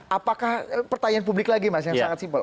apakah pertanyaan publik lagi mas yang sangat simpel